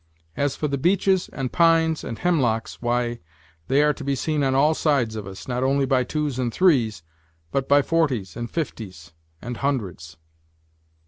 As for the beeches, and pines, and hemlocks, why, they are to be seen on all sides of us, not only by twos and threes, but by forties, and fifties, and hundreds."